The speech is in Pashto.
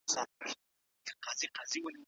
کار فرصتونه ټولنیزې ستونزې کموي.